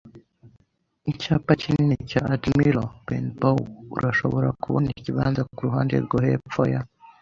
icyapa kinini cya Admiral Benbow. Urashobora kubona ikibanza kuruhande rwo hepfo ya